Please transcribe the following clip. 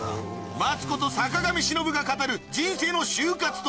マツコと坂上忍が語る人生の終活とは？